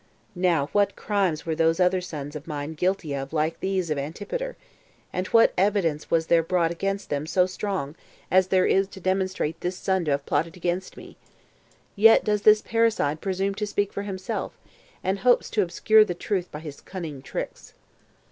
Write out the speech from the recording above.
Now what crimes were those other sons of mine guilty of like these of Antipater? and what evidence was there brought against them so strong as there is to demonstrate this son to have plotted against me? Yet does this parricide presume to speak for himself, and hopes to obscure the truth by his cunning tricks.